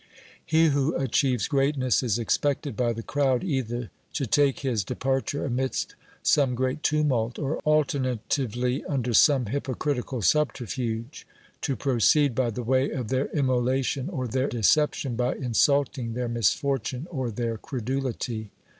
He who achieves greatness is expected by the crowd either to take his departure amidst some great tumult, or, alternatively, under some hypocritical subterfuge ; to proceed by the way of their immolation or their deception, by insulting their misfortune or their credulity.